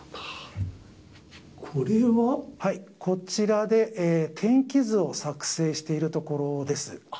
はい、こちらで天気図を作成しているところです。